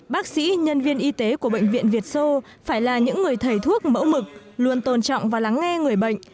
bác sĩ nhân viên y tế của bệnh viện việt sô phải là những người thầy thuốc mẫu mực luôn tôn trọng và lắng nghe người bệnh